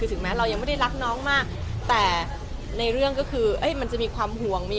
ถึงแม้เรายังไม่ได้รักน้องมากแต่ในเรื่องก็คือมันจะมีความห่วงมี